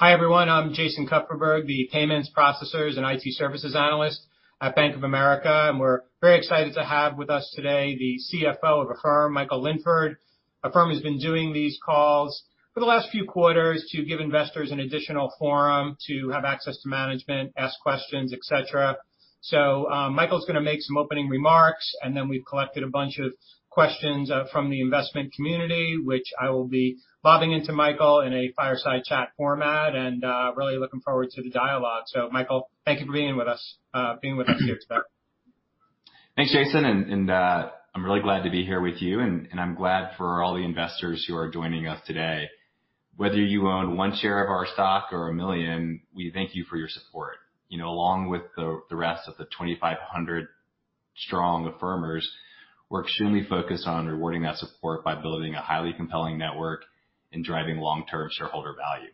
Hi, everyone. I'm Jason Kupferberg, the Payments, Processors & IT Services analyst at Bank of America. We're very excited to have with us today the CFO of Affirm, Michael Linford. Affirm has been doing these calls for the last few quarters to give investors an additional forum to have access to management, ask questions, et cetera. Michael's gonna make some opening remarks, and then we've collected a bunch of questions from the investment community, which I will be lobbing into Michael in a fireside chat format and really looking forward to the dialogue. Michael, thank you for being with us here today. Thanks, Jason. I'm really glad to be here with you, and I'm glad for all the investors who are joining us today. Whether you own one share of our stock or a million, we thank you for your support. You know, along with the rest of the 2,500 strong Affirmers, we're extremely focused on rewarding that support by building a highly compelling network and driving long-term shareholder value.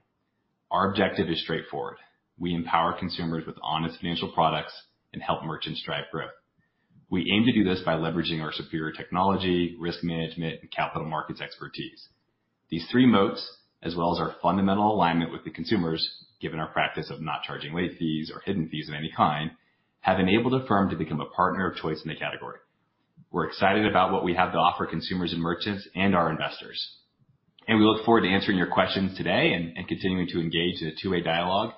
Our objective is straightforward. We empower consumers with honest financial products and help merchants drive growth. We aim to do this by leveraging our superior technology, risk management, and capital markets expertise. These three moats, as well as our fundamental alignment with the consumers, given our practice of not charging late fees or hidden fees of any kind, have enabled Affirm to become a partner of choice in the category. We're excited about what we have to offer consumers and merchants and our investors, and we look forward to answering your questions today and continuing to engage in a two-way dialogue,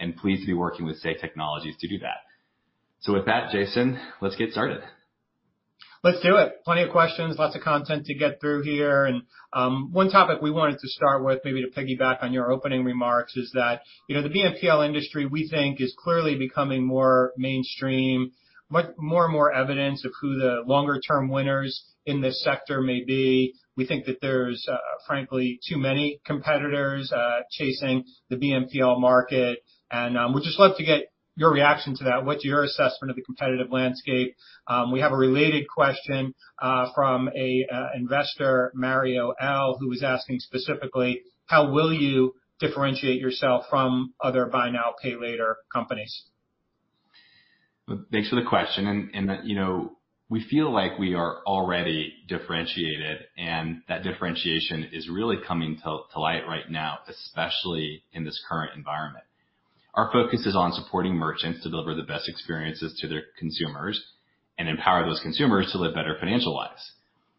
and pleased to be working with Say Technologies to do that. With that, Jason, let's get started. Let's do it. Plenty of questions, lots of content to get through here. One topic we wanted to start with, maybe to piggyback on your opening remarks, is that, you know, the BNPL industry, we think, is clearly becoming more mainstream. More and more evidence of who the longer term winners in this sector may be. We think that there's frankly too many competitors chasing the BNPL market. We'd just love to get your reaction to that. What's your assessment of the competitive landscape? We have a related question from an investor, Mario L, who was asking specifically, "How will you differentiate yourself from other buy now, pay later companies? Thanks for the question. You know, we feel like we are already differentiated, and that differentiation is really coming to light right now, especially in this current environment. Our focus is on supporting merchants to deliver the best experiences to their consumers and empower those consumers to live better financial lives.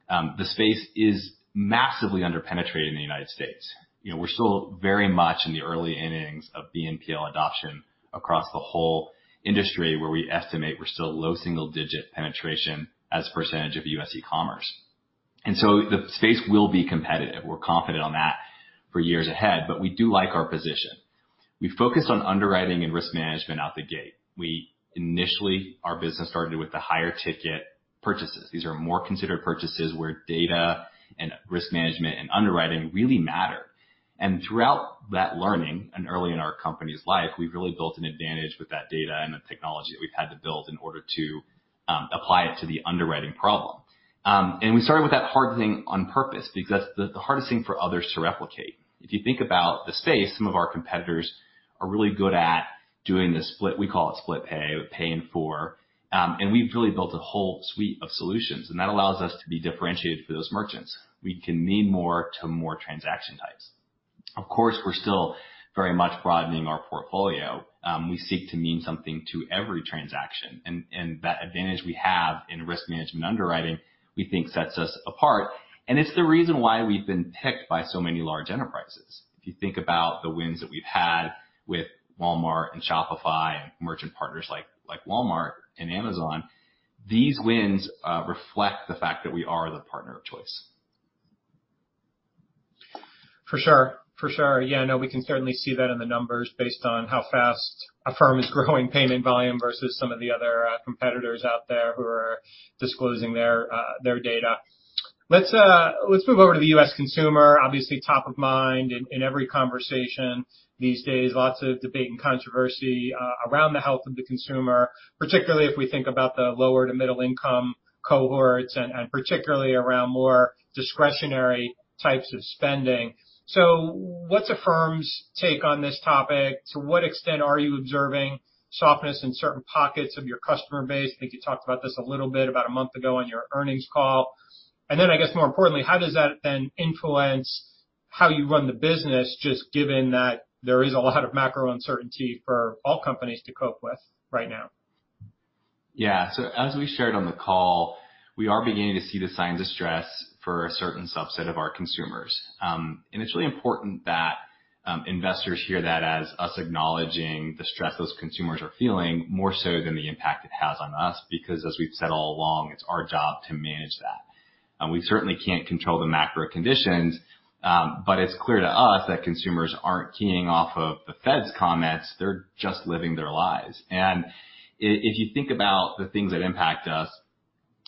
The space is massively under-penetrated in the United States. You know, we're still very much in the early innings of BNPL adoption across the whole industry, where we estimate we're still low single digit penetration as a percentage of US e-commerce. The space will be competitive. We're confident on that for years ahead, but we do like our position. We focus on underwriting and risk management out the gate. Initially, our business started with the higher ticket purchases. These are more considered purchases where data and risk management and underwriting really matter. Throughout that learning and early in our company's life, we've really built an advantage with that data and the technology that we've had to build in order to apply it to the underwriting problem. We started with that hard thing on purpose because that's the hardest thing for others to replicate. If you think about the space, some of our competitors are really good at doing the split, we call it split pay or paying four. We've really built a whole suite of solutions, and that allows us to be differentiated for those merchants. We can mean more to more transaction types. Of course, we're still very much broadening our portfolio. We seek to mean something to every transaction. That advantage we have in risk management underwriting, we think sets us apart. It's the reason why we've been picked by so many large enterprises. If you think about the wins that we've had with Walmart and Shopify and merchant partners like Walmart and Amazon, these wins reflect the fact that we are the partner of choice. For sure. Yeah, no, we can certainly see that in the numbers based on how fast Affirm is growing payment volume versus some of the other competitors out there who are disclosing their data. Let's move over to the U.S. consumer. Obviously, top of mind in every conversation these days. Lots of debate and controversy around the health of the consumer, particularly if we think about the lower to middle income cohorts and particularly around more discretionary types of spending. What's Affirm's take on this topic? To what extent are you observing softness in certain pockets of your customer base? I think you talked about this a little bit about a month ago on your earnings call. I guess more importantly, how does that then influence how you run the business, just given that there is a lot of macro uncertainty for all companies to cope with right now? Yeah. As we shared on the call, we are beginning to see the signs of stress for a certain subset of our consumers. It's really important that investors hear that as us acknowledging the stress those consumers are feeling, more so than the impact it has on us, because as we've said all along, it's our job to manage that. We certainly can't control the macro conditions, but it's clear to us that consumers aren't keying off of the Fed's comments, they're just living their lives. If you think about the things that impact us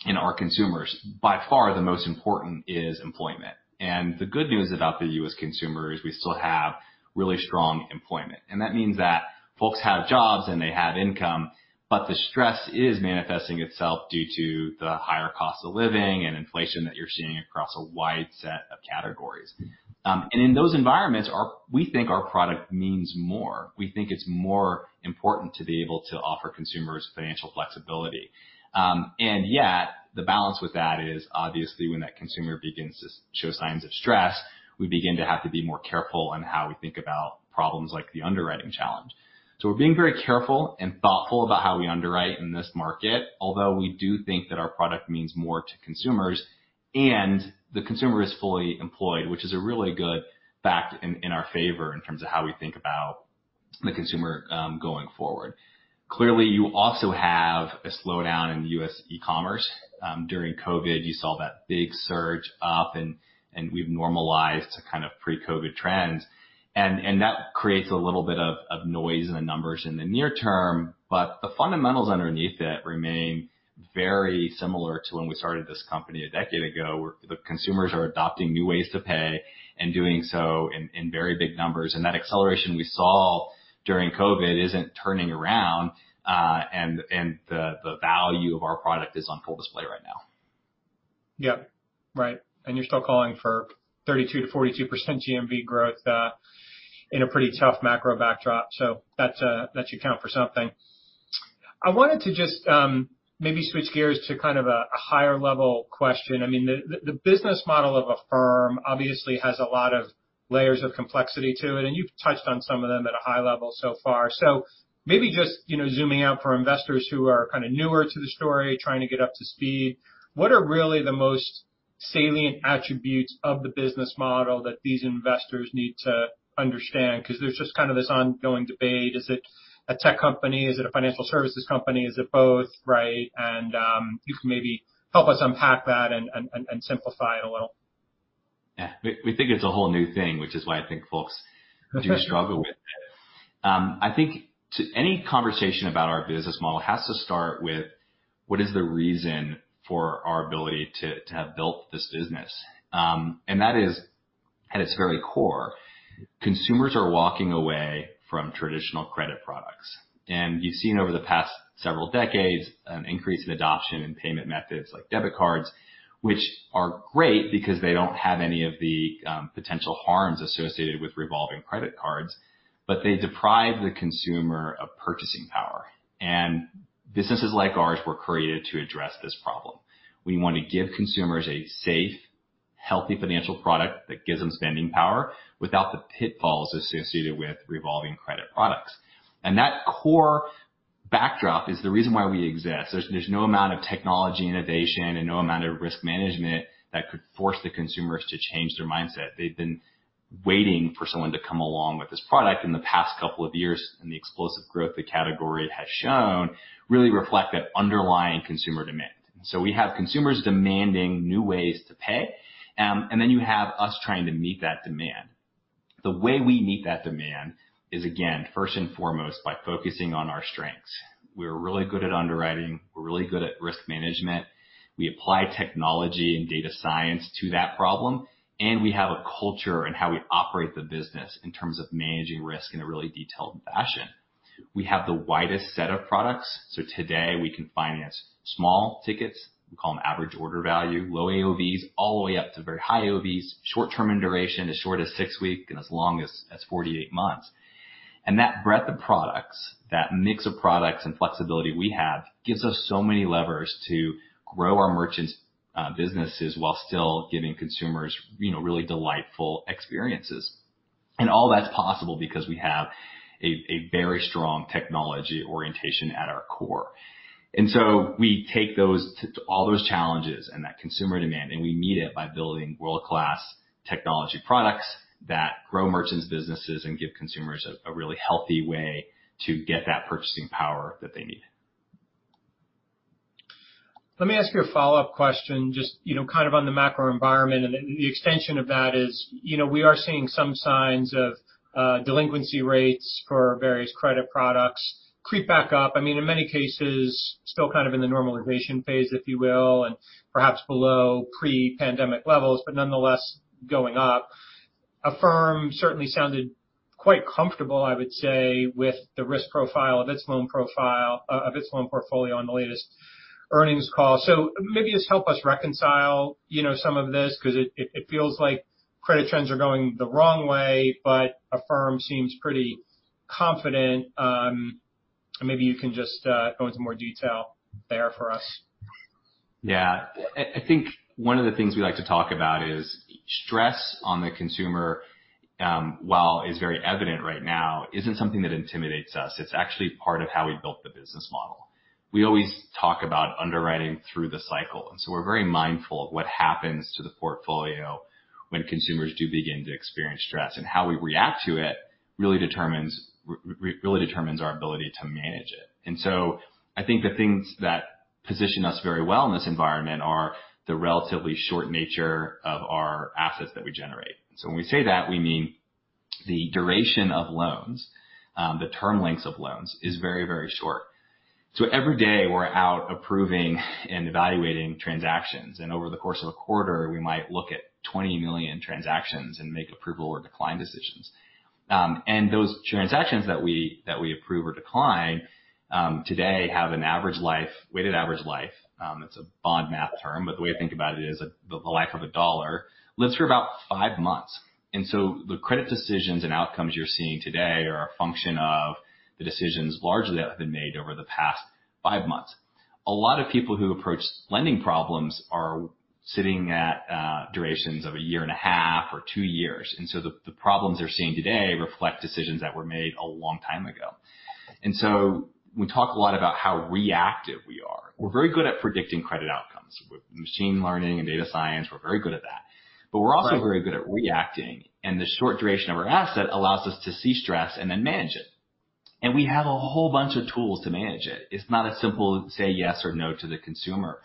and our consumers, by far the most important is employment. The good news about the U.S. consumer is we still have really strong employment. That means that folks have jobs and they have income, but the stress is manifesting itself due to the higher cost of living and inflation that you're seeing across a wide set of categories. In those environments, we think our product means more. We think it's more important to be able to offer consumers financial flexibility. Yet the balance with that is, obviously when that consumer begins to show signs of stress, we begin to have to be more careful on how we think about problems like the underwriting challenge. We're being very careful and thoughtful about how we underwrite in this market. Although we do think that our product means more to consumers. The consumer is fully employed, which is a really good fact in our favor in terms of how we think about the consumer going forward. Clearly, you also have a slowdown in US e-commerce. During COVID, you saw that big surge up and we've normalized to kind of pre-COVID trends. That creates a little bit of noise in the numbers in the near term, but the fundamentals underneath it remain very similar to when we started this company a decade ago, where the consumers are adopting new ways to pay and doing so in very big numbers. That acceleration we saw during COVID isn't turning around, and the value of our product is on full display right now. Yep. Right. You're still calling for 32%-42% GMV growth in a pretty tough macro backdrop. That's that should count for something. I wanted to just maybe switch gears to kind of a higher level question. I mean, the business model of Affirm obviously has a lot of layers of complexity to it, and you've touched on some of them at a high level so far. Maybe just, you know, zooming out for investors who are kinda newer to the story, trying to get up to speed, what are really the most salient attributes of the business model that these investors need to understand? 'Cause there's just kind of this ongoing debate. Is it a tech company? Is it a financial services company? Is it both, right? If you can maybe help us unpack that and simplify it a little. Yeah. We think it's a whole new thing, which is why I think folks do struggle with it. I think to any conversation about our business model has to start with what is the reason for our ability to have built this business? That is at its very core. Consumers are walking away from traditional credit products. You've seen over the past several decades an increase in adoption in payment methods like debit cards, which are great because they don't have any of the potential harms associated with revolving credit cards, but they deprive the consumer of purchasing power. Businesses like ours were created to address this problem. We wanna give consumers a safe, healthy financial product that gives them spending power without the pitfalls associated with revolving credit products. That core backdrop is the reason why we exist. There's no amount of technology innovation and no amount of risk management that could force the consumers to change their mindset. They've been waiting for someone to come along with this product in the past couple of years, and the explosive growth the category has shown really reflect that underlying consumer demand. We have consumers demanding new ways to pay, and then you have us trying to meet that demand. The way we meet that demand is again, first and foremost, by focusing on our strengths. We're really good at underwriting. We're really good at risk management. We apply technology and data science to that problem, and we have a culture in how we operate the business in terms of managing risk in a really detailed fashion. We have the widest set of products, so today we can finance small tickets, we call them average order value, low AOVs, all the way up to very high AOVs, short term in duration, as short as 6 weeks and as long as 48 months. That breadth of products, that mix of products and flexibility we have gives us so many levers to grow our merchants' businesses while still giving consumers, you know, really delightful experiences. All that's possible because we have a very strong technology orientation at our core. We take all those challenges and that consumer demand, and we meet it by building world-class technology products that grow merchants' businesses and give consumers a really healthy way to get that purchasing power that they need. Let me ask you a follow-up question, just, you know, kind of on the macro environment. The extension of that is, you know, we are seeing some signs of delinquency rates for various credit products creep back up. I mean, in many cases, still kind of in the normalization phase, if you will, and perhaps below pre-pandemic levels, but nonetheless going up. Affirm certainly sounded quite comfortable, I would say, with the risk profile of its loan portfolio on the latest earnings call. Maybe just help us reconcile, you know, some of this 'cause it feels like credit trends are going the wrong way, but Affirm seems pretty confident. Maybe you can just go into more detail there for us. Yeah. I think one of the things we like to talk about is stress on the consumer, while it is very evident right now, isn't something that intimidates us. It's actually part of how we built the business model. We always talk about underwriting through the cycle, and so we're very mindful of what happens to the portfolio when consumers do begin to experience stress. How we react to it really determines our ability to manage it. I think the things that position us very well in this environment are the relatively short nature of our assets that we generate. When we say that, we mean the duration of loans, the term lengths of loans is very, very short. Every day we're out approving and evaluating transactions, and over the course of a quarter, we might look at 20 million transactions and make approval or decline decisions. Those transactions that we approve or decline today have an average life, weighted average life. It's a bond math term, but the way to think about it is the life of a dollar lives for about five months. The credit decisions and outcomes you're seeing today are a function of the decisions largely that have been made over the past five months. A lot of people who approach lending problems are sitting at durations of a year and a half or two years, and the problems they're seeing today reflect decisions that were made a long time ago. We talk a lot about how reactive we are. We're very good at predicting credit outcomes. With machine learning and data science, we're very good at that. We're also very good at reacting, and the short duration of our asset allows us to see stress and then manage it. We have a whole bunch of tools to manage it. It's not as simple as say yes or no to the consumer.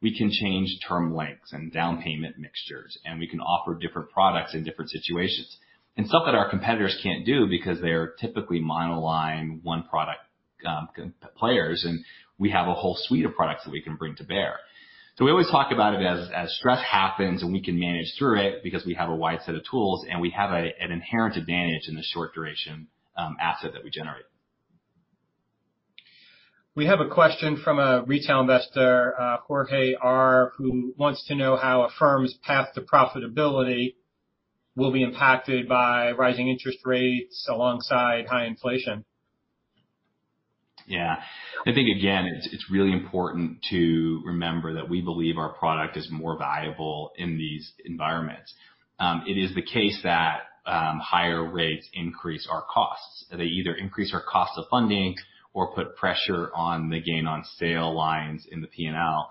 We can change term lengths and down payment mixtures, and we can offer different products in different situations. Stuff that our competitors can't do because they are typically mono-line, one product, players, and we have a whole suite of products that we can bring to bear. We always talk about it as stress happens, and we can manage through it because we have a wide set of tools, and we have an inherent advantage in the short duration asset that we generate. We have a question from a retail investor, Jorge R, who wants to know how Affirm's path to profitability will be impacted by rising interest rates alongside high inflation. Yeah. I think, again, it's really important to remember that we believe our product is more valuable in these environments. It is the case that higher rates increase our costs. They either increase our cost of funding or put pressure on the gain on sale lines in the P&L.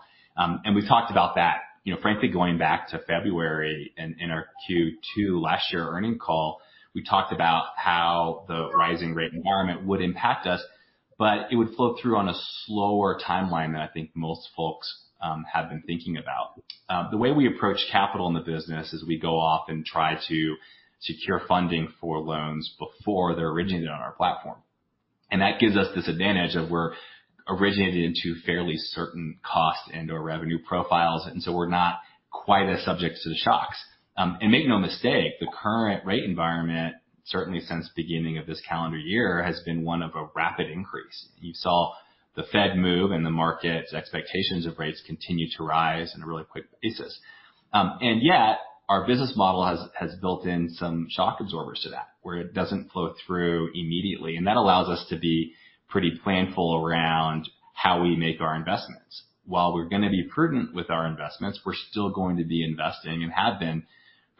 We talked about that, you know, frankly, going back to February in our Q2 last year earnings call. We talked about how the rising rate environment would impact us, but it would flow through on a slower timeline than I think most folks have been thinking about. The way we approach capital in the business is we go off and try to secure funding for loans before they're originated on our platform. That gives us this advantage of we're originating into fairly certain cost and/or revenue profiles, so we're not quite as subject to the shocks. Make no mistake, the current rate environment, certainly since the beginning of this calendar year, has been one of a rapid increase. You saw the Fed move and the market's expectations of rates continue to rise on a really quick basis. Yet our business model has built in some shock absorbers to that, where it doesn't flow through immediately. That allows us to be pretty planful around how we make our investments. While we're gonna be prudent with our investments, we're still going to be investing and have been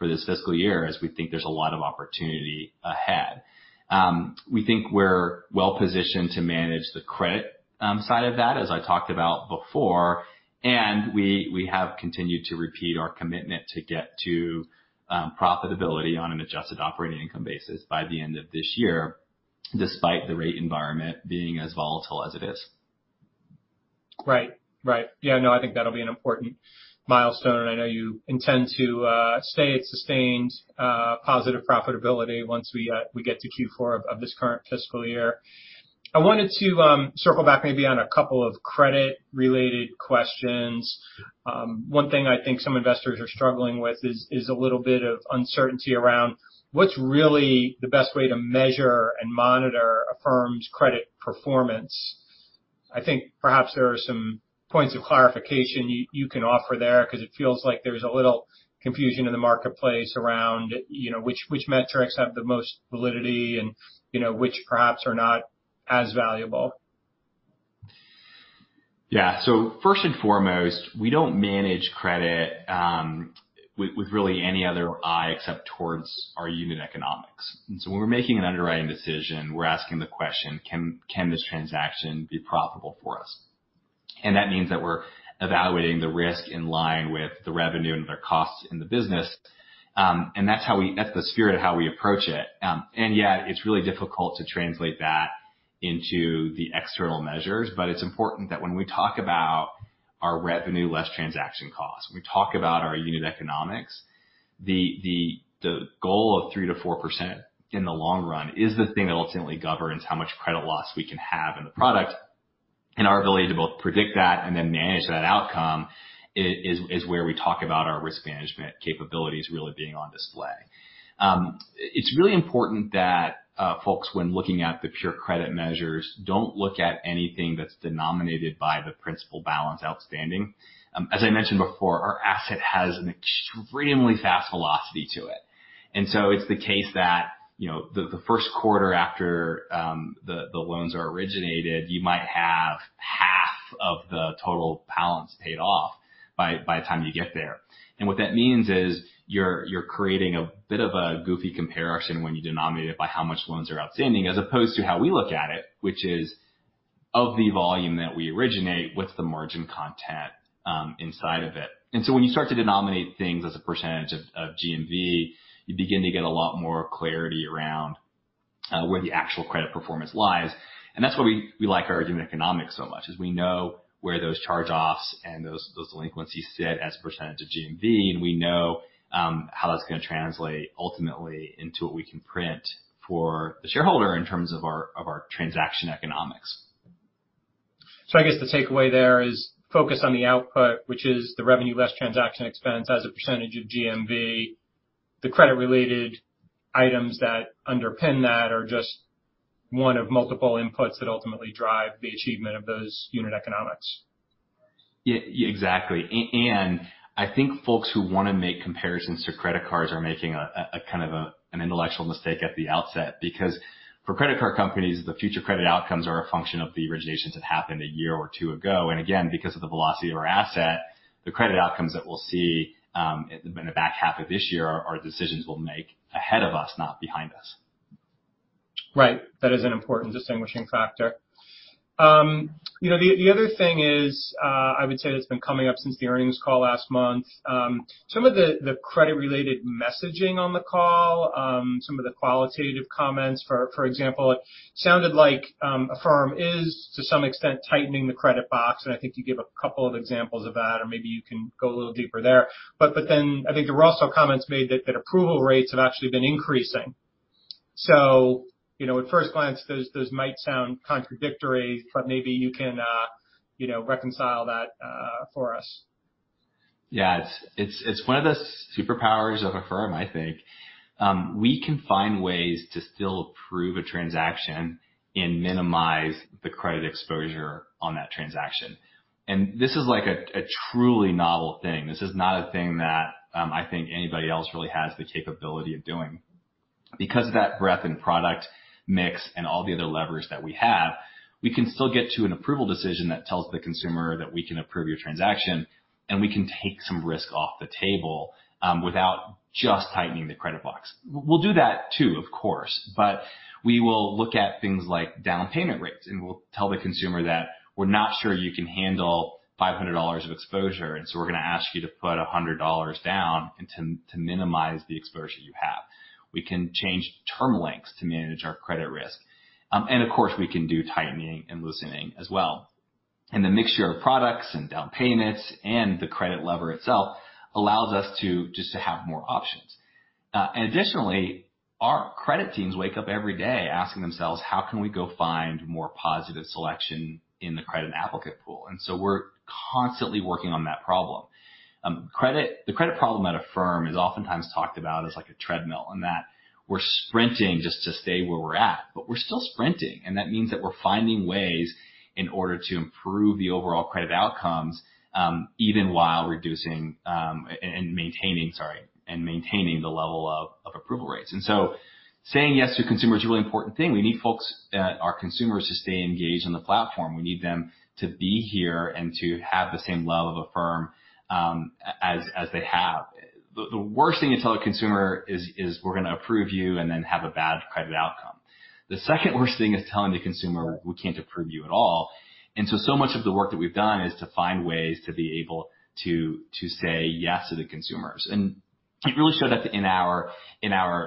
for this fiscal year as we think there's a lot of opportunity ahead. We think we're well positioned to manage the credit side of that, as I talked about before, and we have continued to repeat our commitment to get to profitability on an adjusted operating income basis by the end of this year, despite the rate environment being as volatile as it is. Right. Yeah, no, I think that'll be an important milestone, and I know you intend to stay at sustained positive profitability once we get to Q4 of this current fiscal year. I wanted to circle back maybe on a couple of credit related questions. One thing I think some investors are struggling with is a little bit of uncertainty around what's really the best way to measure and monitor Affirm's credit performance. I think perhaps there are some points of clarification you can offer there 'cause it feels like there's a little confusion in the marketplace around, you know, which metrics have the most validity and, you know, which perhaps are not as valuable. Yeah. First and foremost, we don't manage credit with really any other eye except towards our unit economics. When we're making an underwriting decision, we're asking the question, "Can this transaction be profitable for us?" That means that we're evaluating the risk in line with the revenue and their costs in the business. That's the spirit of how we approach it. Yet it's really difficult to translate that into the external measures. It's important that when we talk about our revenue less transaction costs, when we talk about our unit economics, the goal of 3%-4% in the long run is the thing that ultimately governs how much credit loss we can have in the product. Our ability to both predict that and then manage that outcome is where we talk about our risk management capabilities really being on display. It's really important that folks, when looking at the pure credit measures, don't look at anything that's denominated by the principal balance outstanding. As I mentioned before, our asset has an extremely fast velocity to it. It's the case that, you know, the first quarter after the loans are originated, you might have half of the total balance paid off by the time you get there. What that means is you're creating a bit of a goofy comparison when you denominate it by how much loans are outstanding, as opposed to how we look at it, which is of the volume that we originate, what's the margin content inside of it. When you start to denominate things as a percentage of GMV, you begin to get a lot more clarity around where the actual credit performance lies. That's why we like our unit economics so much is we know where those charge-offs and those delinquencies sit as a percentage of GMV, and we know how that's gonna translate ultimately into what we can print for the shareholder in terms of our transaction economics. I guess the takeaway there is focus on the output, which is the revenue less transaction costs as a percentage of GMV. The credit-related items that underpin that are just one of multiple inputs that ultimately drive the achievement of those unit economics. Yeah, exactly. I think folks who wanna make comparisons to credit cards are making a kind of an intellectual mistake at the outset because for credit card companies, the future credit outcomes are a function of the originations that happened a year or two ago. Again, because of the velocity of our asset, the credit outcomes that we'll see in the back half of this year are decisions we'll make ahead of us, not behind us. Right. That is an important distinguishing factor. You know, the other thing is, I would say that's been coming up since the earnings call last month, some of the credit related messaging on the call, some of the qualitative comments. For example, it sounded like Affirm is to some extent tightening the credit box, and I think you gave a couple of examples of that, or maybe you can go a little deeper there. Then I think there were also comments made that approval rates have actually been increasing. You know, at first glance, those might sound contradictory, but maybe you can, you know, reconcile that, for us. Yeah. It's one of the superpowers of Affirm, I think. We can find ways to still approve a transaction and minimize the credit exposure on that transaction. This is like a truly novel thing. This is not a thing that I think anybody else really has the capability of doing. Because of that breadth in product mix and all the other levers that we have, we can still get to an approval decision that tells the consumer that we can approve your transaction, and we can take some risk off the table, without just tightening the credit box. We'll do that too, of course, but we will look at things like down payment rates, and we'll tell the consumer that we're not sure you can handle $500 of exposure, and so we're gonna ask you to put $100 down to minimize the exposure you have. We can change term lengths to manage our credit risk. Of course, we can do tightening and loosening as well. The mixture of products and down payments and the credit lever itself allows us to just to have more options. Additionally, our credit teams wake up every day asking themselves: How can we go find more positive selection in the credit applicant pool? We're constantly working on that problem. The credit problem at Affirm is oftentimes talked about as like a treadmill, in that we're sprinting just to stay where we're at, but we're still sprinting, and that means that we're finding ways in order to improve the overall credit outcomes, even while reducing and maintaining the level of approval rates. Saying yes to consumers is a really important thing. We need folks, our consumers, to stay engaged on the platform. We need them to be here and to have the same love of Affirm, as they have. The worst thing to tell a consumer is we're gonna approve you and then have a bad credit outcome. The second worst thing is telling the consumer we can't approve you at all. So much of the work that we've done is to find ways to be able to say yes to the consumers. It really showed up in our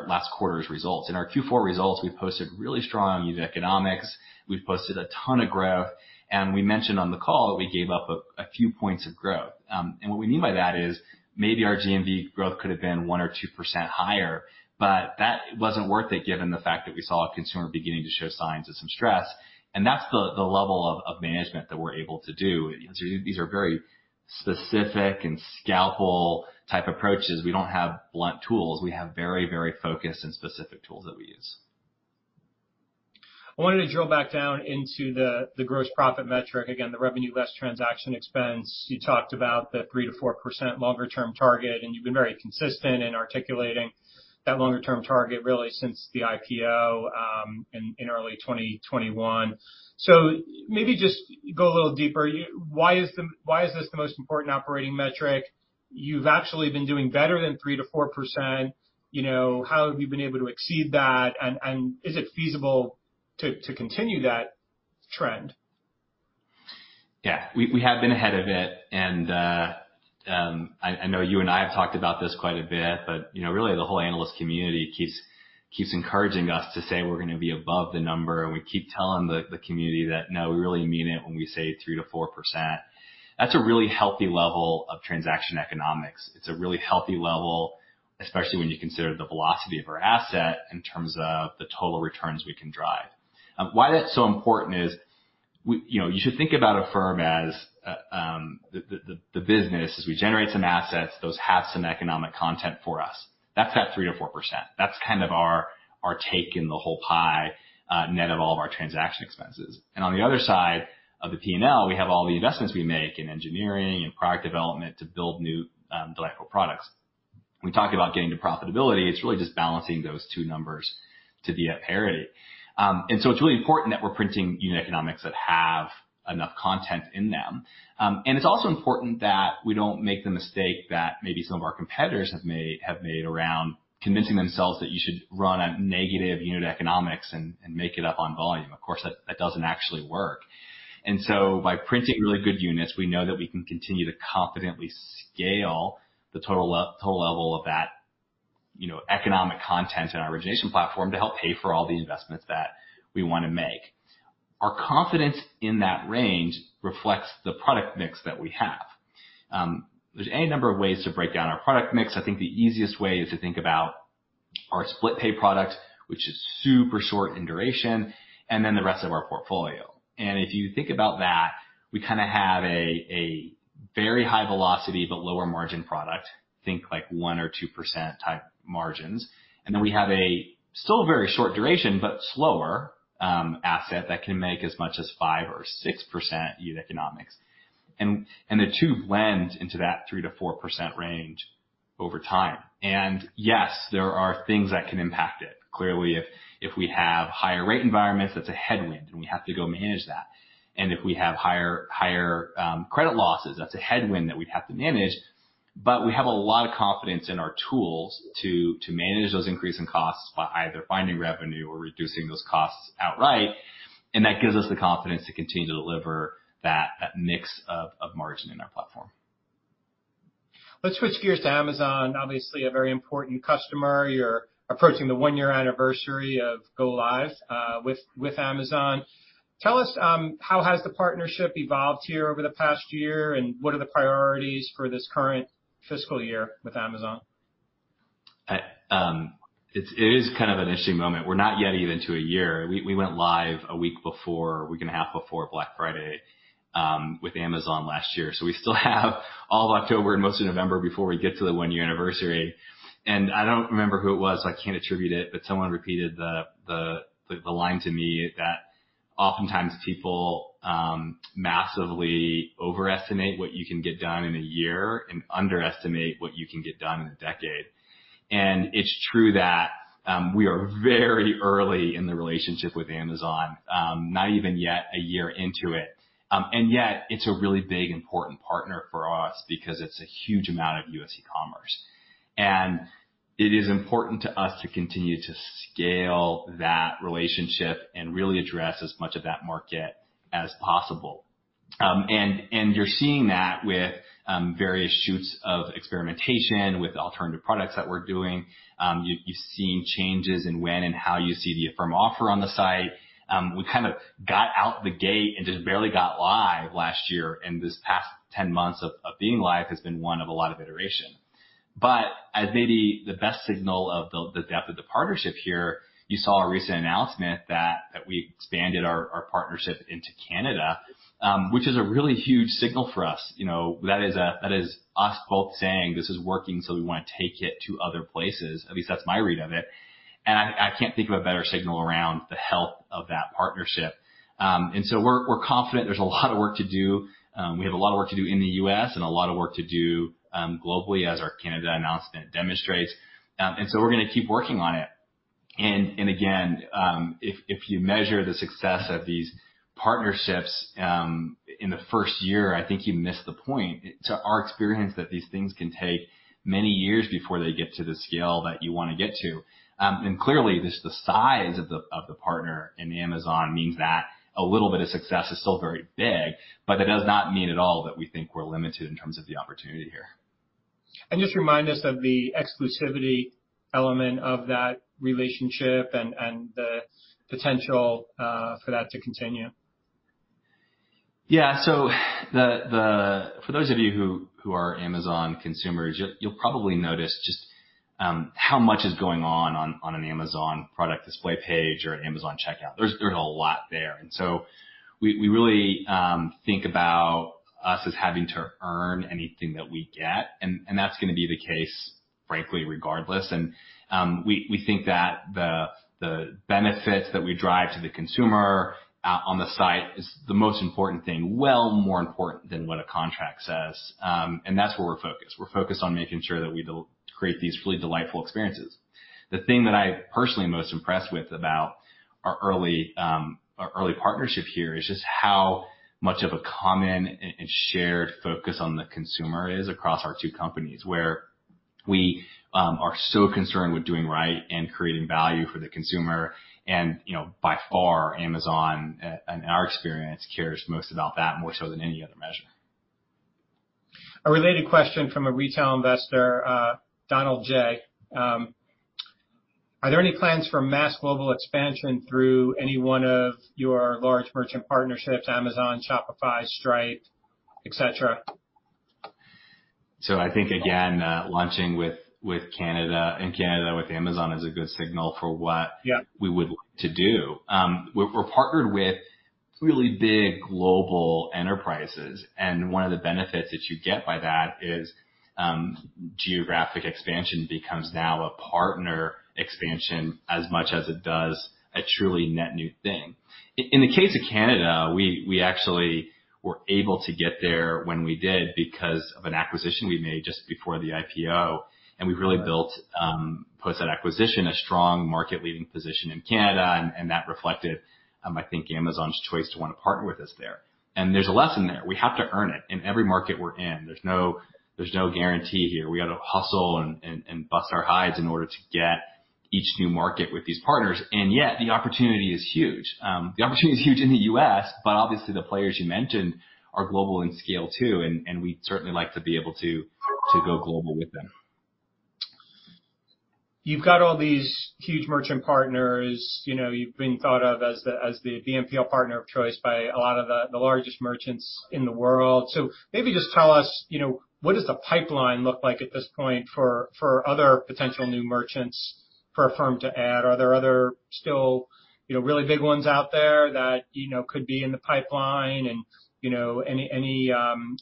last quarter's results. In our Q4 results, we posted really strong unit economics. We've posted a ton of growth, and we mentioned on the call that we gave up a few points of growth. What we mean by that is, maybe our GMV growth could have been 1% or 2% higher, but that wasn't worth it given the fact that we saw a consumer beginning to show signs of some stress. That's the level of management that we're able to do. These are very specific and scalpel type approaches. We don't have blunt tools. We have very, very focused and specific tools that we use. I wanted to drill back down into the gross profit metric. Again, the revenue less transaction costs. You talked about the 3%-4% longer term target, and you've been very consistent in articulating that longer term target really since the IPO in early 2021. Maybe just go a little deeper. Why is this the most important operating metric? You've actually been doing better than 3%-4%. You know, how have you been able to exceed that? Is it feasible to continue that trend? Yeah. We have been ahead of it. I know you and I have talked about this quite a bit, but you know, really the whole analyst community keeps encouraging us to say we're gonna be above the number, and we keep telling the community that, "No, we really mean it when we say 3%-4%." That's a really healthy level of transaction economics. It's a really healthy level, especially when you consider the velocity of our asset in terms of the total returns we can drive. Why that's so important is you know, you should think about Affirm as the business as we generate some assets, those have some economic content for us. That's that 3%-4%. That's kind of our take in the whole pie, net of all of our transaction expenses. On the other side of the P&L, we have all the investments we make in engineering and product development to build new, delightful products. When we talk about getting to profitability, it's really just balancing those two numbers to be at parity. It's really important that we're printing unit economics that have enough content in them. It's also important that we don't make the mistake that maybe some of our competitors have made around convincing themselves that you should run on negative unit economics and make it up on volume. Of course, that doesn't actually work. By printing really good units, we know that we can continue to confidently scale the total level of that, you know, economic content in our origination platform to help pay for all the investments that we wanna make. Our confidence in that range reflects the product mix that we have. There's any number of ways to break down our product mix. I think the easiest way is to think about our split pay product, which is super short in duration, and then the rest of our portfolio. If you think about that, we kinda have a very high velocity but lower margin product, think like 1% or 2% type margins. Then we have a still very short duration, but slower, asset that can make as much as 5% or 6% unit economics. The two blend into that 3%-4% range over time. Yes, there are things that can impact it. Clearly, if we have higher rate environments, that's a headwind, and we have to go manage that. If we have higher credit losses, that's a headwind that we'd have to manage. We have a lot of confidence in our tools to manage those increasing costs by either finding revenue or reducing those costs outright, and that gives us the confidence to continue to deliver that mix of margin in our platform. Let's switch gears to Amazon, obviously a very important customer. You're approaching the one-year anniversary of go live with Amazon. Tell us how has the partnership evolved here over the past year, and what are the priorities for this current fiscal year with Amazon? It is kind of an interesting moment. We're not yet even to a year. We went live a week before, a week and a half before Black Friday, with Amazon last year. So we still have all of October and most of November before we get to the one-year anniversary. I don't remember who it was, so I can't attribute it, but someone repeated the line to me that oftentimes people massively overestimate what you can get done in a year and underestimate what you can get done in a decade. It's true that we are very early in the relationship with Amazon, not even yet a year into it. Yet it's a really big, important partner for us because it's a huge amount of US e-commerce. It is important to us to continue to scale that relationship and really address as much of that market as possible. You're seeing that with various sorts of experimentation with alternative products that we're doing. You've seen changes in when and how you see the Affirm offer on the site. We kind of got out the gate and just barely got live last year, and this past 10 months of being live has been one of a lot of iteration. As maybe the best signal of the depth of the partnership here, you saw a recent announcement that we expanded our partnership into Canada, which is a really huge signal for us. You know, that is us both saying, this is working, so we wanna take it to other places. At least that's my read of it. I can't think of a better signal around the health of that partnership. We're confident there's a lot of work to do. We have a lot of work to do in the U.S. and a lot of work to do globally, as our Canada announcement demonstrates. We're gonna keep working on it. Again, if you measure the success of these partnerships in the first year, I think you miss the point. From our experience, these things can take many years before they get to the scale that you wanna get to. Clearly this is the size of the partner, and Amazon means that a little bit of success is still very big, but that does not mean at all that we think we're limited in terms of the opportunity here. Just remind us of the exclusivity element of that relationship and the potential for that to continue. For those of you who are Amazon consumers, you'll probably notice just how much is going on an Amazon product display page or an Amazon checkout. There's a lot there. We really think about us as having to earn anything that we get, and that's gonna be the case, frankly, regardless. We think that the benefits that we drive to the consumer on the site is the most important thing. Well more important than what a contract says. That's where we're focused. We're focused on making sure that we create these really delightful experiences. The thing that I'm personally most impressed with about our early partnership here is just how much of a common and shared focus on the consumer is across our two companies, where we are so concerned with doing right and creating value for the consumer. You know, by far, Amazon, in our experience, cares most about that, more so than any other measure. A related question from a retail investor, Donald J. Are there any plans for mass global expansion through any one of your large merchant partnerships, Amazon, Shopify, Stripe, et cetera? I think, again, launching in Canada with Amazon is a good signal for what. Yeah... we would like to do. We're partnered with really big global enterprises, and one of the benefits that you get by that is, geographic expansion becomes now a partner expansion as much as it does a truly net new thing. In the case of Canada, we actually were able to get there when we did because of an acquisition we made just before the IPO. We really built, post that acquisition, a strong market-leading position in Canada, and that reflected, I think Amazon's choice to wanna partner with us there. There's a lesson there. We have to earn it in every market we're in. There's no guarantee here. We gotta hustle and bust our hides in order to get each new market with these partners. Yet the opportunity is huge. The opportunity is huge in the U.S., but obviously the players you mentioned are global in scale too, and we'd certainly like to be able to go global with them. You've got all these huge merchant partners. You know, you've been thought of as the BNPL partner of choice by a lot of the largest merchants in the world. Maybe just tell us, you know, what does the pipeline look like at this point for other potential new merchants for Affirm to add? Are there other still, you know, really big ones out there that, you know, could be in the pipeline? You know, any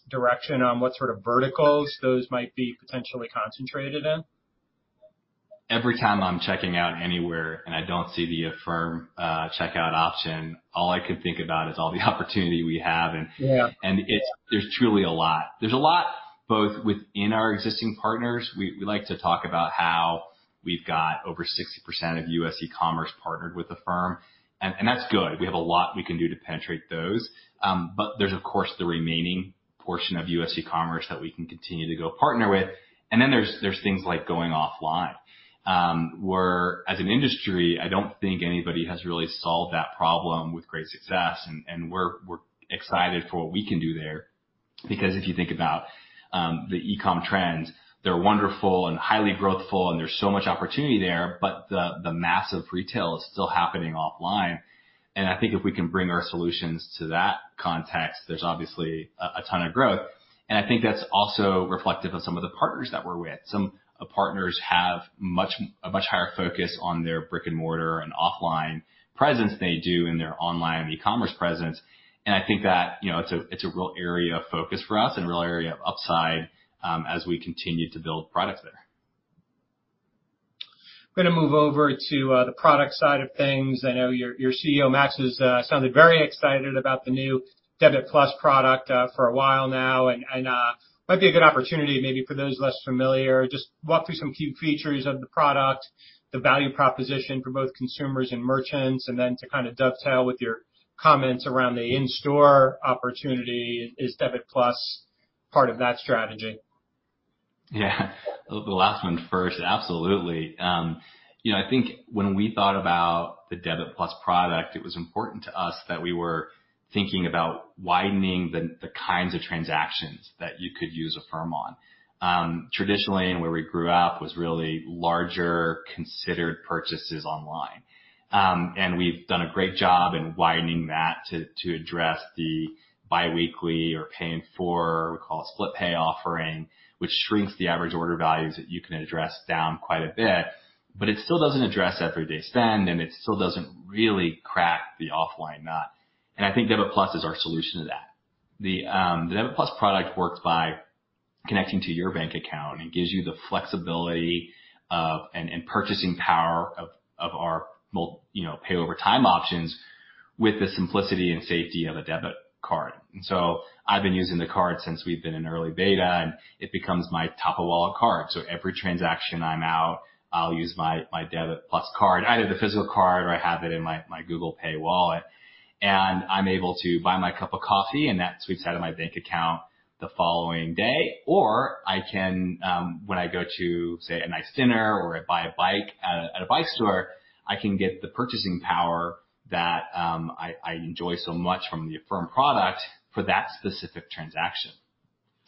direction on what sort of verticals those might be potentially concentrated in? Every time I'm checking out anywhere and I don't see the Affirm checkout option, all I can think about is all the opportunity we have. Yeah There's truly a lot. There's a lot both within our existing partners. We like to talk about how we've got over 60% of US e-commerce partnered with Affirm, and that's good. We have a lot we can do to penetrate those. But there's, of course, the remaining portion of US e-commerce that we can continue to go partner with. Then there's things like going offline, where as an industry, I don't think anybody has really solved that problem with great success, and we're excited for what we can do there. Because if you think about the e-com trends, they're wonderful and highly growthful, and there's so much opportunity there, but the massive retail is still happening offline. I think if we can bring our solutions to that context, there's obviously a ton of growth. I think that's also reflective of some of the partners that we're with. Some partners have a much higher focus on their brick-and-mortar and offline presence than they do in their online e-commerce presence. I think that, you know, it's a real area of focus for us and a real area of upside as we continue to build products there. I'm gonna move over to the product side of things. I know your CEO, Max, has sounded very excited about the new Debit+ product for a while now. Might be a good opportunity maybe for those less familiar. Just walk through some key features of the product, the value proposition for both consumers and merchants, and then to kinda dovetail with your comments around the in-store opportunity. Is Debit+ part of that strategy? Yeah. The last one first, absolutely. You know, I think when we thought about the Debit+ product, it was important to us that we were thinking about widening the kinds of transactions that you could use Affirm on. Traditionally, and where we grew up, was really larger considered purchases online. We've done a great job in widening that to address the biweekly or paying for what we call split pay offering, which shrinks the average order values that you can address down quite a bit. But it still doesn't address everyday spend, and it still doesn't really crack the offline nut. I think Debit+ is our solution to that. Debit+ product works by connecting to your bank account and gives you the flexibility of and purchasing power of our pay over time options with the simplicity and safety of a debit card. I've been using the card since we've been in early beta, and it becomes my top of wallet card. Every transaction I'm out, I'll use my Debit+ card, either the physical card or I have it in my Google Pay wallet, and I'm able to buy my cup of coffee, and that sweeps out of my bank account the following day. I can, when I go to, say, a nice dinner or I buy a bike at a bike store, I can get the purchasing power that I enjoy so much from the Affirm product for that specific transaction.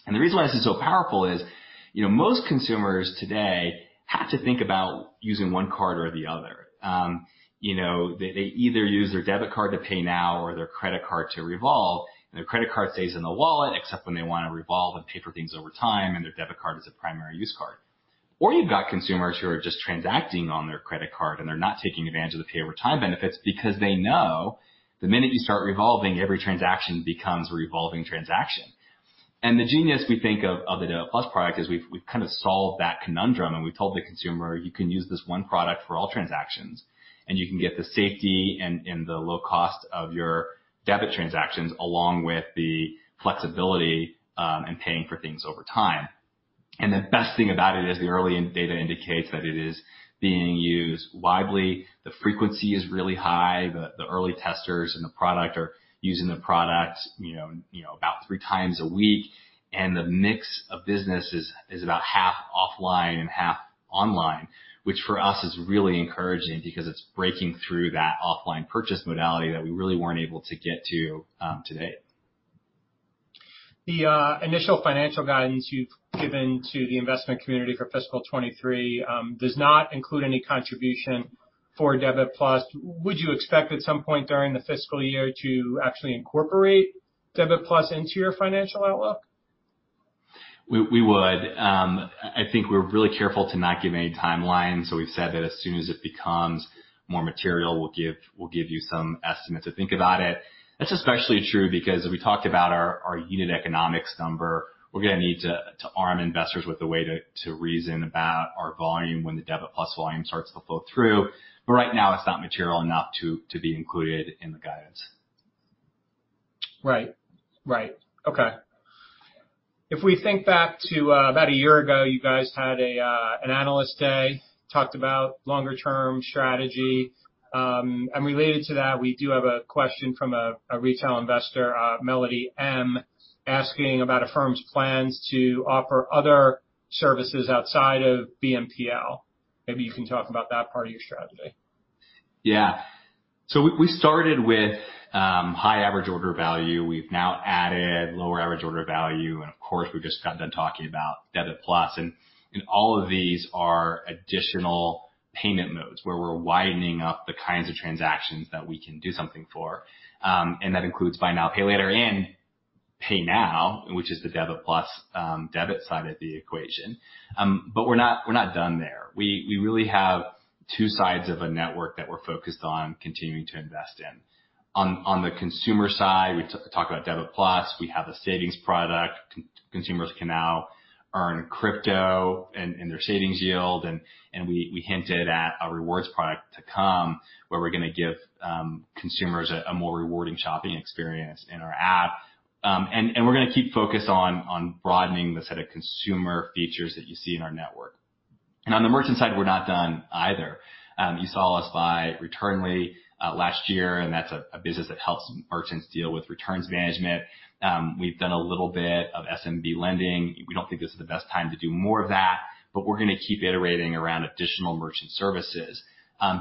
The reason why this is so powerful is, you know, most consumers today have to think about using one card or the other. You know, they either use their debit card to pay now or their credit card to revolve, and their credit card stays in the wallet except when they wanna revolve and pay for things over time, and their debit card is a primary use card. You've got consumers who are just transacting on their credit card, and they're not taking advantage of the pay over time benefits because they know the minute you start revolving, every transaction becomes a revolving transaction. The genius we think of the Debit+ product is we've kind of solved that conundrum, and we've told the consumer, "You can use this one product for all transactions, and you can get the safety and the low cost of your debit transactions along with the flexibility in paying for things over time." The best thing about it is the early data indicates that it is being used widely. The frequency is really high. The early testers in the product are using the product, you know, about three times a week, and the mix of business is about half offline and half online, which for us is really encouraging because it's breaking through that offline purchase modality that we really weren't able to get to date. The initial financial guidance you've given to the investment community for fiscal 2023 does not include any contribution for Debit+. Would you expect at some point during the fiscal year to actually incorporate Debit+ into your financial outlook? We would. I think we're really careful to not give any timelines. We've said that as soon as it becomes more material, we'll give you some estimate to think about it. That's especially true because as we talked about our unit economics number, we're gonna need to arm investors with a way to reason about our volume when the Debit+ volume starts to flow through. Right now, it's not material enough to be included in the guidance. Right. Okay. If we think back to about a year ago, you guys had an analyst day, talked about longer-term strategy. Related to that, we do have a question from a retail investor, Melody M, asking about Affirm's plans to offer other services outside of BNPL. Maybe you can talk about that part of your strategy. Yeah. We started with high average order value. We've now added lower average order value, and of course, we just got done talking about Debit+. All of these are additional payment modes where we're widening up the kinds of transactions that we can do something for. That includes buy now, pay later and pay now, which is the Debit+ debit side of the equation. We're not done there. We really have two sides of a network that we're focused on continuing to invest in. On the consumer side, we talk about Debit+, we have a savings product, consumers can now earn crypto in their savings yield and we hinted at a rewards product to come, where we're gonna give consumers a more rewarding shopping experience in our app. We're gonna keep focused on broadening the set of consumer features that you see in our network. On the merchant side, we're not done either. You saw us buy Returnly last year, and that's a business that helps merchants deal with returns management. We've done a little bit of SMB lending. We don't think this is the best time to do more of that, but we're gonna keep iterating around additional merchant services,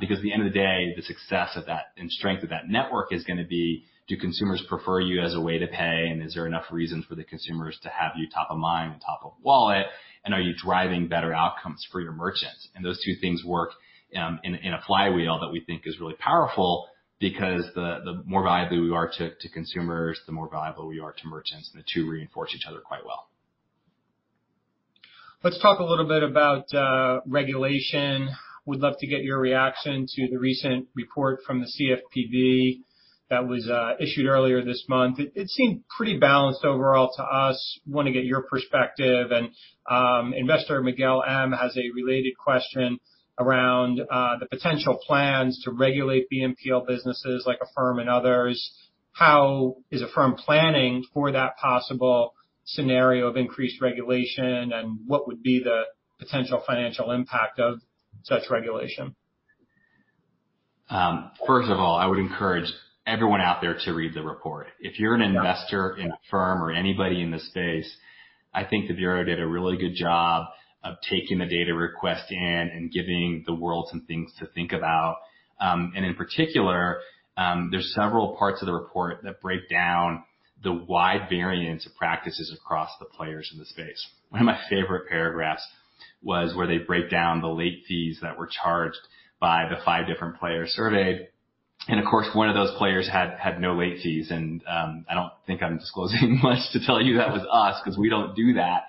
because at the end of the day, the success of that and strength of that network is gonna be, do consumers prefer you as a way to pay, and is there enough reasons for the consumers to have you top of mind and top of wallet, and are you driving better outcomes for your merchants? Those two things work in a flywheel that we think is really powerful because the more valuable we are to consumers, the more valuable we are to merchants, and the two reinforce each other quite well. Let's talk a little bit about regulation. We'd love to get your reaction to the recent report from the CFPB that was issued earlier this month. It seemed pretty balanced overall to us. Wanna get your perspective. Investor Miguel M. has a related question around the potential plans to regulate BNPL businesses like Affirm and others. How is Affirm planning for that possible scenario of increased regulation, and what would be the potential financial impact of such regulation? First of all, I would encourage everyone out there to read the report. If you're an investor in Affirm or anybody in this space, I think the Bureau did a really good job of taking the data request in and giving the world some things to think about. In particular, there's several parts of the report that break down the wide variance of practices across the players in the space. One of my favorite paragraphs was where they break down the late fees that were charged by the five different players surveyed. Of course, one of those players had no late fees, and I don't think I'm disclosing much to tell you that was us 'cause we don't do that.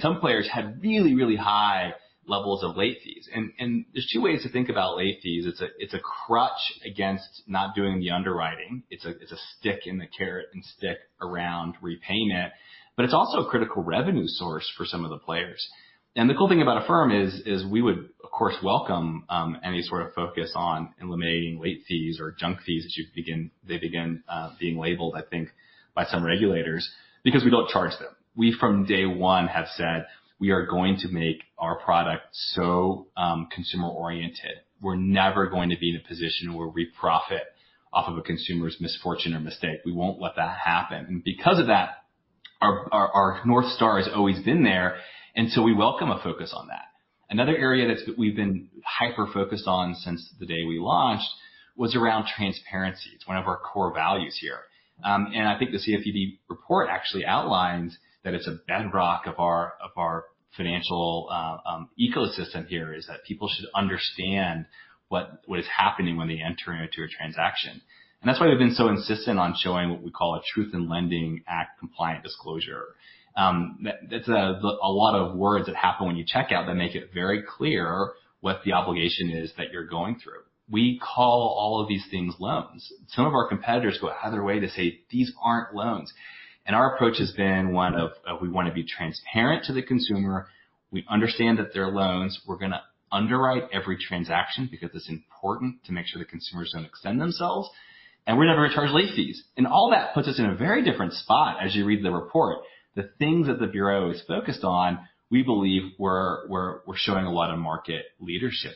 Some players had really high levels of late fees. There's two ways to think about late fees. It's a crutch against not doing the underwriting. It's a stick in the carrot-and-stick around repaying it, but it's also a critical revenue source for some of the players. The cool thing about Affirm is we would, of course, welcome any sort of focus on eliminating late fees or junk fees, as they began being labeled, I think, by some regulators, because we don't charge them. We from day one have said we are going to make our product so consumer oriented. We're never going to be in a position where we profit off of a consumer's misfortune or mistake. We won't let that happen. Because of that, our North Star has always been there, and so we welcome a focus on that. Another area that's we've been hyper-focused on since the day we launched was around transparency. It's one of our core values here. I think the CFPB report actually outlines that it's a bedrock of our financial ecosystem here, is that people should understand what is happening when they enter into a transaction. That's why we've been so insistent on showing what we call a Truth in Lending Act-compliant disclosure. That's a lot of words that happen when you check out that make it very clear what the obligation is that you're going through. We call all of these things loans. Some of our competitors go out of their way to say these aren't loans. Our approach has been one of we wanna be transparent to the consumer. We understand that they're loans. We're gonna underwrite every transaction because it's important to make sure the consumers don't extend themselves, and we're never gonna charge late fees. All that puts us in a very different spot as you read the report. The things that the Bureau is focused on, we believe we're showing a lot of market leadership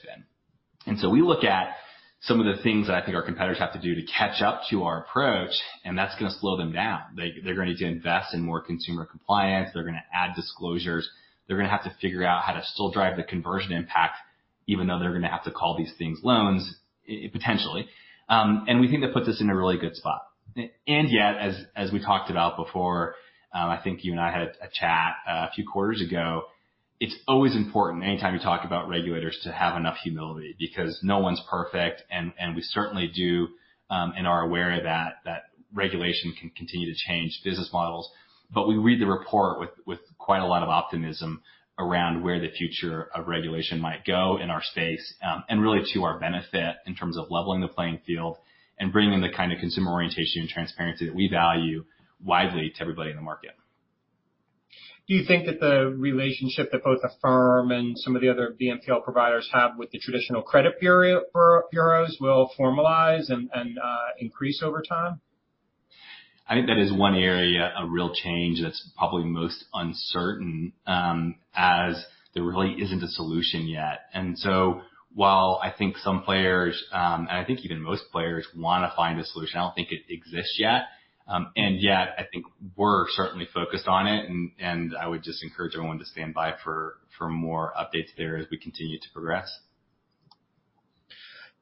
in. We look at some of the things that I think our competitors have to do to catch up to our approach, and that's gonna slow them down. They're gonna need to invest in more consumer compliance. They're gonna add disclosures. They're gonna have to figure out how to still drive the conversion impact, even though they're gonna have to call these things loans, potentially. We think that puts us in a really good spot. Yet, as we talked about before, I think you and I had a chat a few quarters ago. It's always important anytime you talk about regulators to have enough humility because no one's perfect and we certainly do and are aware that regulation can continue to change business models. We read the report with quite a lot of optimism around where the future of regulation might go in our space and really to our benefit in terms of leveling the playing field and bringing the kind of consumer orientation and transparency that we value widely to everybody in the market. Do you think that the relationship that both Affirm and some of the other BNPL providers have with the traditional credit bureaus will formalize and increase over time? I think that is one area, a real change that's probably most uncertain, as there really isn't a solution yet. While I think some players, and I think even most players wanna find a solution, I don't think it exists yet. Yet I think we're certainly focused on it, and I would just encourage everyone to stand by for more updates there as we continue to progress.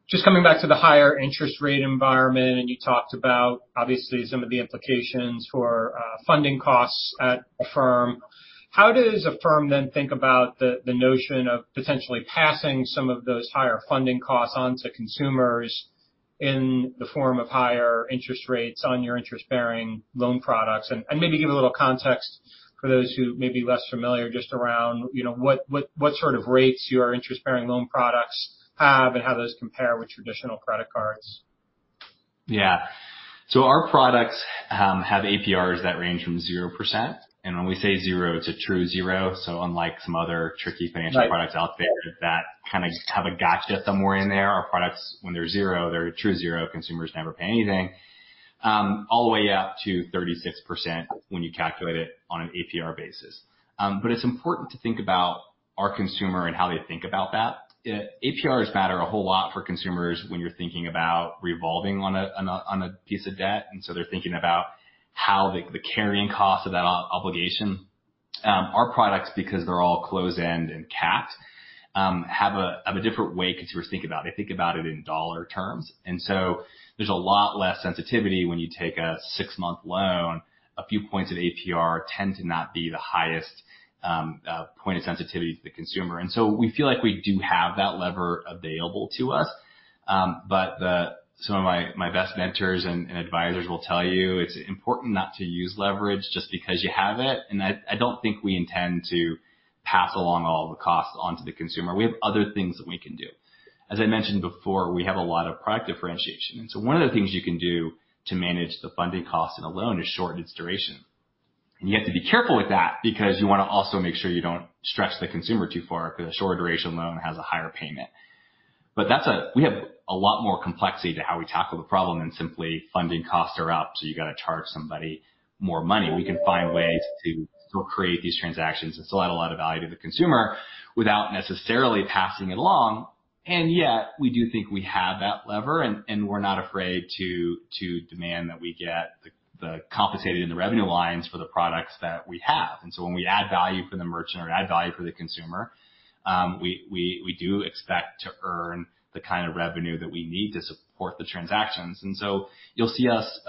Just coming back to the higher interest rate environment, and you talked about obviously some of the implications for, funding costs at Affirm. How does Affirm then think about the notion of potentially passing some of those higher funding costs on to consumers in the form of higher interest rates on your interest-bearing loan products? Maybe give a little context for those who may be less familiar just around, you know, what sort of rates your interest-bearing loan products have and how those compare with traditional credit cards. Our products have APRs that range from 0%. When we say zero, it's a true zero. Unlike some other tricky financial products. Right Out there that kind of have a gotcha somewhere in there, our products, when they're zero, they're a true zero, consumers never pay anything. All the way up to 36% when you calculate it on an APR basis. It's important to think about our consumer and how they think about that. APRs matter a whole lot for consumers when you're thinking about revolving on a piece of debt, and so they're thinking about how the carrying cost of that obligation. Our products, because they're all closed-end and capped, have a different way consumers think about it. They think about it in dollar terms, and so there's a lot less sensitivity when you take a six-month loan. A few points of APR tend to not be the highest point of sensitivity to the consumer. We feel like we do have that lever available to us. Some of my best mentors and advisors will tell you, it's important not to use leverage just because you have it. I don't think we intend to pass along all the costs on to the consumer. We have other things that we can do. As I mentioned before, we have a lot of product differentiation. One of the things you can do to manage the funding cost in a loan is shorten its duration. You have to be careful with that because you wanna also make sure you don't stress the consumer too far 'cause a shorter duration loan has a higher payment. We have a lot more complexity to how we tackle the problem than simply funding costs are up, so you gotta charge somebody more money. We can find ways to still create these transactions and still add a lot of value to the consumer without necessarily passing it along. Yet, we do think we have that lever, and we're not afraid to demand that we get the compensation in the revenue lines for the products that we have. When we add value for the merchant or add value for the consumer, we do expect to earn the kind of revenue that we need to support the transactions. You'll see us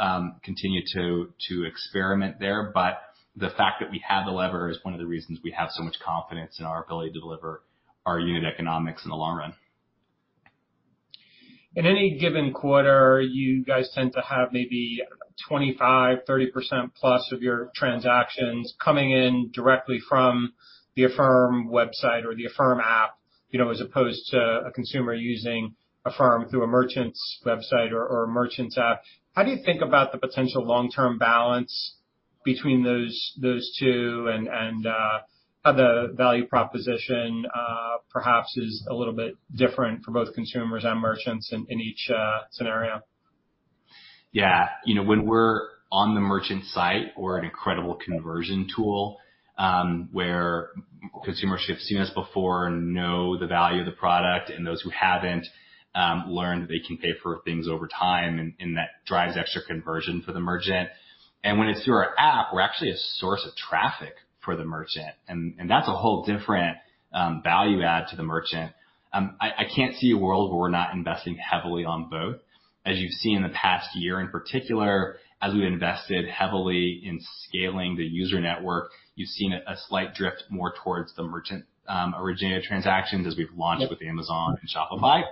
continue to experiment there, but the fact that we have the lever is one of the reasons we have so much confidence in our ability to deliver our unit economics in the long run. In any given quarter, you guys tend to have maybe 25%-30% plus of your transactions coming in directly from the Affirm website or the Affirm app, you know, as opposed to a consumer using Affirm through a merchant's website or a merchant's app. How do you think about the potential long-term balance between those two and how the value proposition perhaps is a little bit different for both consumers and merchants in each scenario? Yeah. You know, when we're on the merchant site, we're an incredible conversion tool, where consumers who have seen us before know the value of the product, and those who haven't, learn that they can pay for things over time, and that drives extra conversion for the merchant. When it's through our app, we're actually a source of traffic for the merchant, and that's a whole different value add to the merchant. I can't see a world where we're not investing heavily on both. As you've seen in the past year, in particular, as we've invested heavily in scaling the user network, you've seen a slight drift more towards the merchant origin of transactions as we've launched. Yep... with Amazon and Shopify.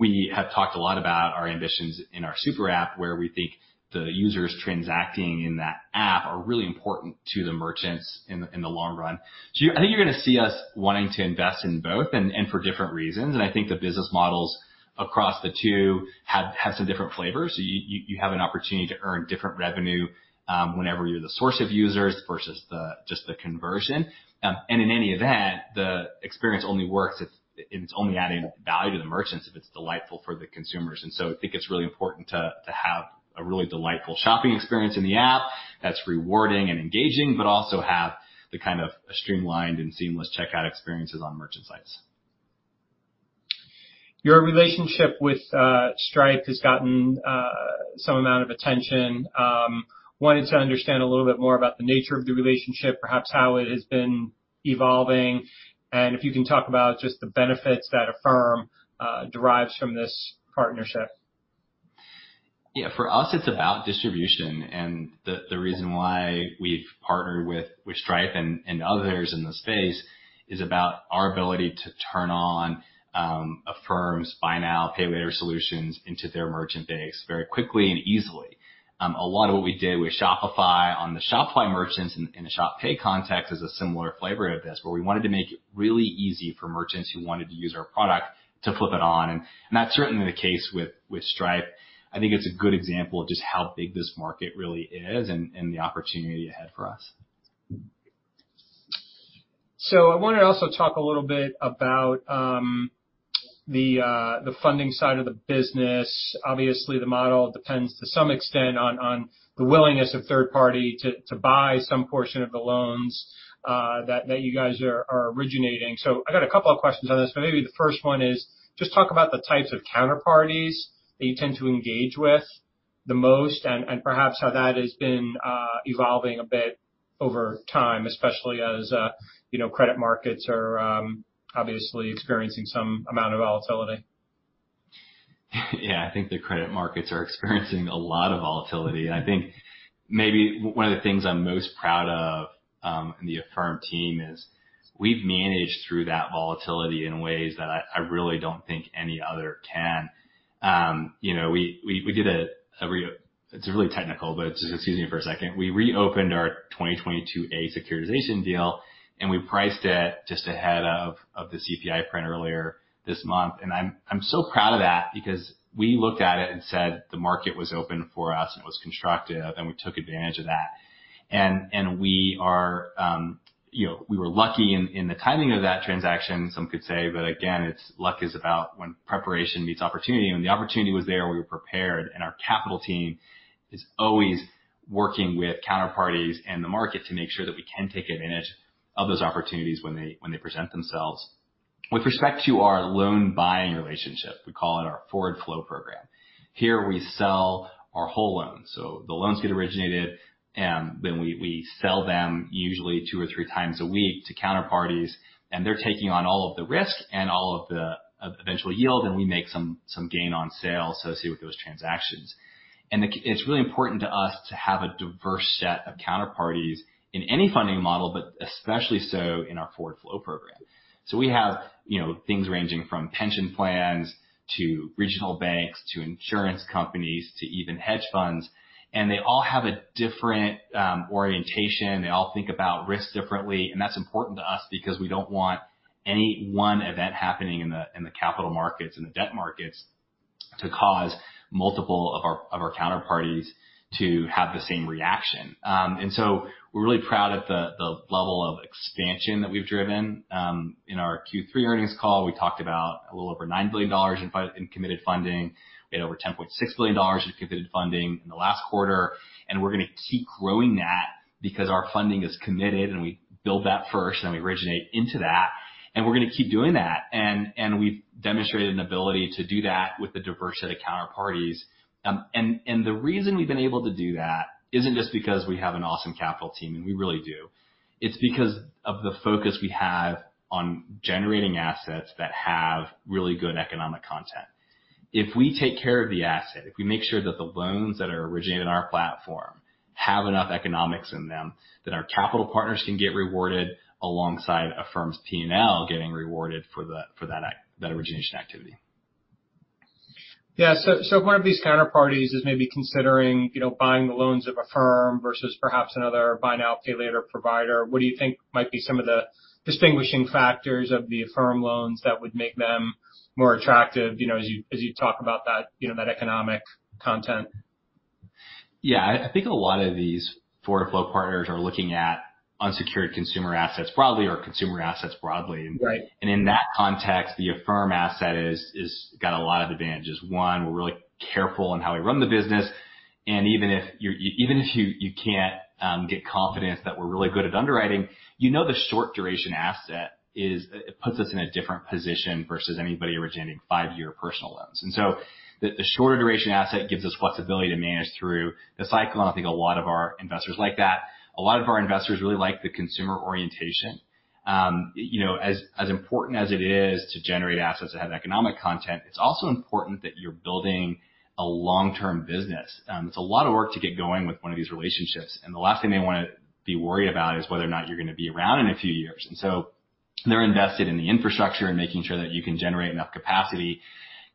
We have talked a lot about our ambitions in our super app, where we think the users transacting in that app are really important to the merchants in the long run. I think you're gonna see us wanting to invest in both and for different reasons. I think the business models across the two have some different flavors. You have an opportunity to earn different revenue whenever you're the source of users versus just the conversion. In any event, the experience only works if it's only adding value to the merchants if it's delightful for the consumers. I think it's really important to have a really delightful shopping experience in the app that's rewarding and engaging, but also have the kind of streamlined and seamless checkout experiences on merchant sites. Your relationship with Stripe has gotten some amount of attention. Wanted to understand a little bit more about the nature of the relationship, perhaps how it has been evolving, and if you can talk about just the benefits that Affirm derives from this partnership? Yeah. For us, it's about distribution, and the reason why we've partnered with Stripe and others in the space is about our ability to turn on Affirm's buy now, pay later solutions into their merchant base very quickly and easily. A lot of what we did with Shopify on the Shopify merchants in a Shop Pay context is a similar flavor of this, where we wanted to make it really easy for merchants who wanted to use our product to flip it on. That's certainly the case with Stripe. I think it's a good example of just how big this market really is and the opportunity ahead for us. I wanna also talk a little bit about the funding side of the business. Obviously, the model depends to some extent on the willingness of third-party to buy some portion of the loans that you guys are originating. I got a couple of questions on this, but maybe the first one is just talk about the types of counterparties that you tend to engage with the most and perhaps how that has been evolving a bit over time, especially as you know, credit markets are obviously experiencing some amount of volatility. Yeah. I think the credit markets are experiencing a lot of volatility. I think maybe one of the things I'm most proud of in the Affirm team is we've managed through that volatility in ways that I really don't think any other can. You know, we did a re. It's really technical, but just excuse me for a second. We reopened our 2022-A securitization deal, and we priced it just ahead of the CPI print earlier this month. I'm so proud of that because we looked at it and said the market was open for us, and it was constructive, and we took advantage of that. You know, we were lucky in the timing of that transaction, some could say, but again, it's luck is about when preparation meets opportunity. When the opportunity was there, we were prepared, and our capital team is always working with counterparties and the market to make sure that we can take advantage of those opportunities when they present themselves. With respect to our loan buying relationship, we call it our forward flow program. Here we sell our whole loans. So the loans get originated, and then we sell them usually two or three times a week to counterparties, and they're taking on all of the risk and all of the eventual yield, and we make some gain on sale associated with those transactions. It's really important to us to have a diverse set of counterparties in any funding model, but especially so in our forward flow program. We have, you know, things ranging from pension plans to regional banks, to insurance companies, to even hedge funds, and they all have a different orientation. They all think about risk differently. That's important to us because we don't want any one event happening in the capital markets and the debt markets to cause multiple of our counterparties to have the same reaction. We're really proud of the level of expansion that we've driven. In our Q3 earnings call, we talked about a little over $9 billion in committed funding. We had over $10.6 billion in committed funding in the last quarter, and we're gonna keep growing that because our funding is committed, and we build that first, then we originate into that. We're gonna keep doing that. We've demonstrated an ability to do that with a diverse set of counterparties. The reason we've been able to do that isn't just because we have an awesome capital team, and we really do. It's because of the focus we have on generating assets that have really good economic content. If we take care of the asset, if we make sure that the loans that are originated in our platform have enough economics in them that our capital partners can get rewarded alongside Affirm's P&L getting rewarded for that origination activity. Yeah. If one of these counterparties is maybe considering, you know, buying the loans of Affirm versus perhaps another buy now, pay later provider, what do you think might be some of the distinguishing factors of the Affirm loans that would make them more attractive, you know, as you talk about that, you know, that economic context? Yeah. I think a lot of these forward flow partners are looking at unsecured consumer assets broadly or consumer assets broadly. Right. In that context, the Affirm asset has got a lot of advantages. One, we're really careful in how we run the business. Even if you can't get confidence that we're really good at underwriting, you know the short duration asset is it puts us in a different position versus anybody originating five-year personal loans. The shorter duration asset gives us flexibility to manage through the cycle, and I think a lot of our investors like that. A lot of our investors really like the consumer orientation. You know, as important as it is to generate assets that have economic content, it's also important that you're building a long-term business. It's a lot of work to get going with one of these relationships, and the last thing they wanna be worried about is whether or not you're gonna be around in a few years. They're invested in the infrastructure and making sure that you can generate enough capacity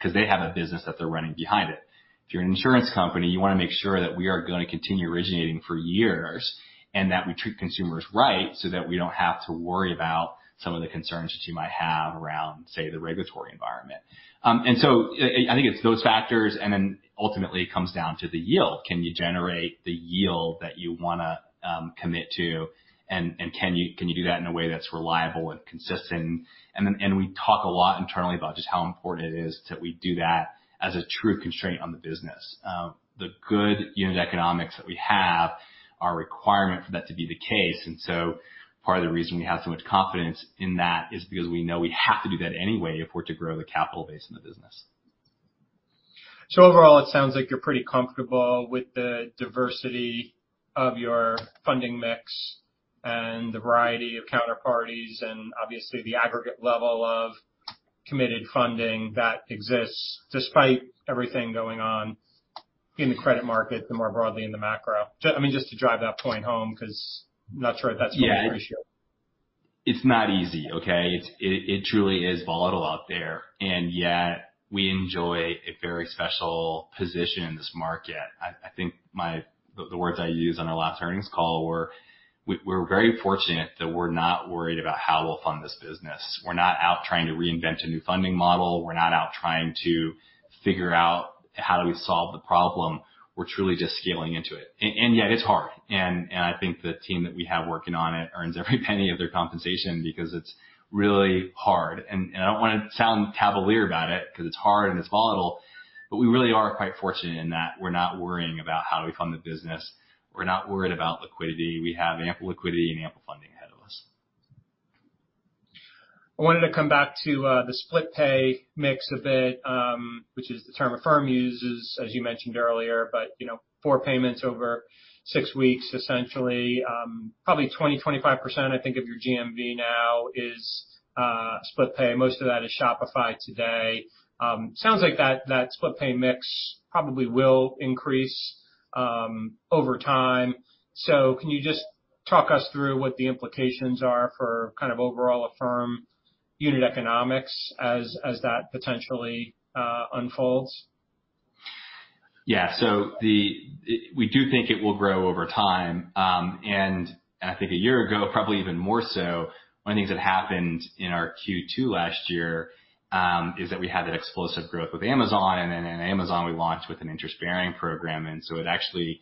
'cause they have a business that they're running behind it. If you're an insurance company, you wanna make sure that we are gonna continue originating for years and that we treat consumers right so that we don't have to worry about some of the concerns that you might have around, say, the regulatory environment. I think it's those factors, and then ultimately it comes down to the yield. Can you generate the yield that you wanna commit to, and can you do that in a way that's reliable and consistent? We talk a lot internally about just how important it is that we do that as a true constraint on the business. The good unit economics that we have are a requirement for that to be the case. Part of the reason we have so much confidence in that is because we know we have to do that anyway if we're to grow the capital base in the business. Overall, it sounds like you're pretty comfortable with the diversity of your funding mix and the variety of counterparties and obviously the aggregate level of committed funding that exists despite everything going on in the credit market, the more broadly in the macro. I mean, just to drive that point home 'cause I'm not sure if that's completely rational. Yeah. It's not easy, okay? It truly is volatile out there, and yet we enjoy a very special position in this market. I think. The words I used on our last earnings call were we're very fortunate that we're not worried about how we'll fund this business. We're not out trying to reinvent a new funding model. We're not out trying to figure out how do we solve the problem. We're truly just scaling into it. Yet it's hard. I think the team that we have working on it earns every penny of their compensation because it's really hard. I don't wanna sound cavalier about it 'cause it's hard and it's volatile, but we really are quite fortunate in that we're not worrying about how we fund the business. We're not worried about liquidity. We have ample liquidity and ample funding ahead of us. I wanted to come back to the split pay mix a bit, which is the term Affirm uses, as you mentioned earlier. You know, four payments over six weeks, essentially, probably 20%-25% I think of your GMV now is split pay. Most of that is Shopify today. Sounds like that split pay mix probably will increase over time. Can you just talk us through what the implications are for kind of overall Affirm unit economics as that potentially unfolds? Yeah. We do think it will grow over time. I think a year ago, probably even more so. One thing that happened in our Q2 last year is that we had that explosive growth with Amazon and then in Amazon, we launched with an interest-bearing program. It actually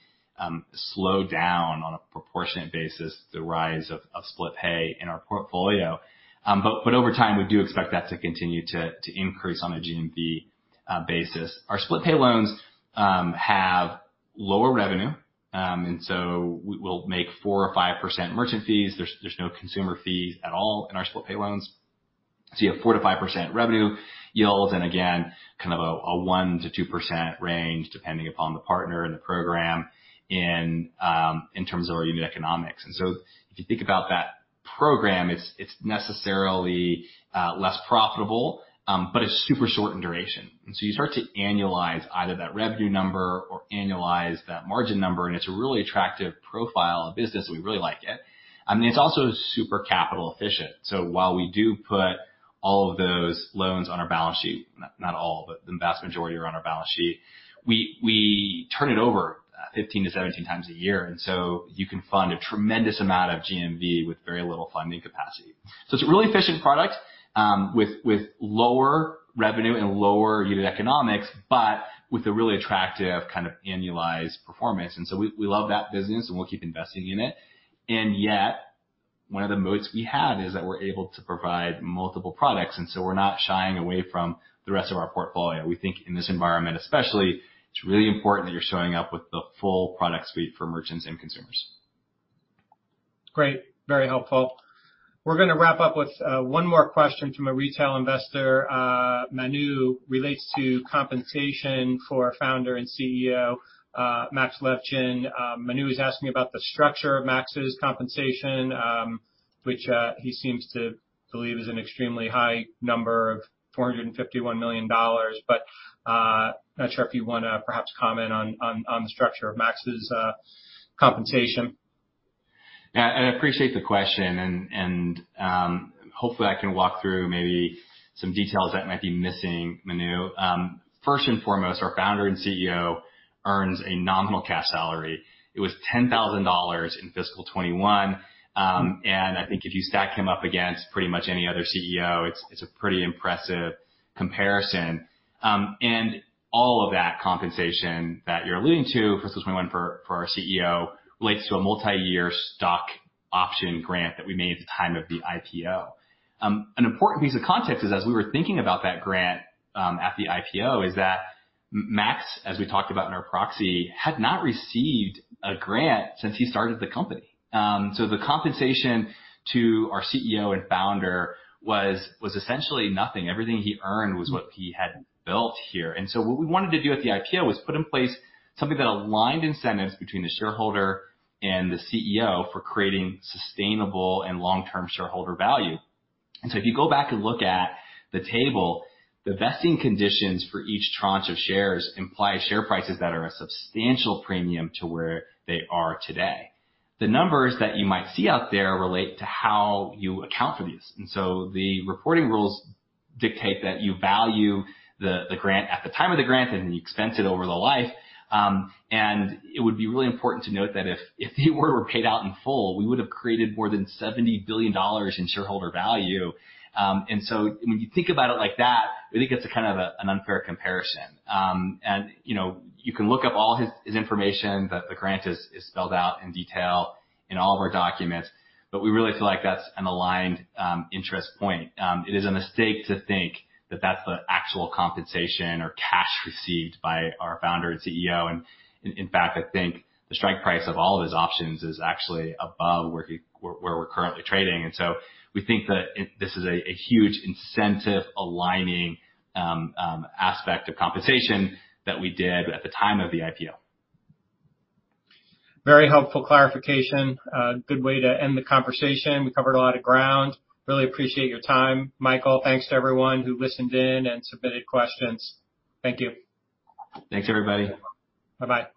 slowed down on a proportionate basis, the rise of split pay in our portfolio. But over time, we do expect that to continue to increase on a GMV basis. Our split pay loans have lower revenue. We'll make 4% or 5% merchant fees. There's no consumer fees at all in our split pay loans. You have 4%-5% revenue yield, and again, kind of a one to 2% range, depending upon the partner and the program in terms of our unit economics. If you think about that program, it's necessarily less profitable, but it's super short in duration. You start to annualize either that revenue number or annualize that margin number, and it's a really attractive profile of business. We really like it. I mean, it's also super capital efficient. While we do put all of those loans on our balance sheet, not all, but the vast majority are on our balance sheet, we turn it over 15-17 times a year, and you can fund a tremendous amount of GMV with very little funding capacity. It's a really efficient product, with lower revenue and lower unit economics, but with a really attractive kind of annualized performance. We love that business, and we'll keep investing in it. One of the moats we have is that we're able to provide multiple products, so we're not shying away from the rest of our portfolio. We think in this environment especially, it's really important that you're showing up with the full product suite for merchants and consumers. Great. Very helpful. We're gonna wrap up with one more question from a retail investor, Manu, relates to compensation for our Founder and CEO, Max Levchin. Manu is asking about the structure of Max's compensation, which he seems to believe is an extremely high number of $451 million. Not sure if you wanna perhaps comment on the structure of Max's compensation. Yeah. I appreciate the question and, hopefully I can walk through maybe some details that might be missing, Manu. First and foremost, our founder and CEO earns a nominal cash salary. It was $10,000 in fiscal 2021. I think if you stack him up against pretty much any other CEO, it's a pretty impressive comparison. All of that compensation that you're alluding to, fiscal 2021 for our CEO, relates to a multiyear stock option grant that we made at the time of the IPO. An important piece of context is, as we were thinking about that grant, at the IPO, is that Max, as we talked about in our proxy, had not received a grant since he started the company. The compensation to our CEO and founder was essentially nothing. Everything he earned was what he had built here. What we wanted to do at the IPO was put in place something that aligned incentives between the shareholder and the CEO for creating sustainable and long-term shareholder value. If you go back and look at the table, the vesting conditions for each tranche of shares imply share prices that are a substantial premium to where they are today. The numbers that you might see out there relate to how you account for these. The reporting rules dictate that you value the grant at the time of the grant, and then you expense it over the life. It would be really important to note that if the award were paid out in full, we would have created more than $70 billion in shareholder value. When you think about it like that, we think it's a kind of an unfair comparison. You know, you can look up all his information. The grant is spelled out in detail in all of our documents. We really feel like that's an aligned interest point. It is a mistake to think that that's the actual compensation or cash received by our founder and CEO. In fact, I think the strike price of all of his options is actually above where we're currently trading. We think that this is a huge incentive aligning aspect of compensation that we did at the time of the IPO. Very helpful clarification. Good way to end the conversation. We covered a lot of ground. Really appreciate your time, Michael. Thanks to everyone who listened in and submitted questions. Thank you. Thanks, everybody. Bye-bye.